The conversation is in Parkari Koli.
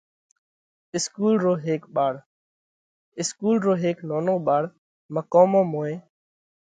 اِسڪُول رو هيڪ ٻاۯ: اِسڪُول رو هيڪ نونو ٻاۯ مقومون موئين